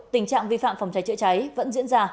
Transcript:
tình trạng vi phạm phòng cháy chữa cháy vẫn diễn ra